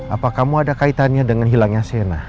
apa kamu ada kaitannya dengan hilangnya sena